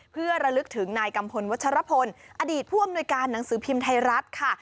เพื่อระลึกถึงนายกัมพลวัชรพลอดีตผู้อำนวยการหนังสือพิมพ์ไทยรัฐค่ะ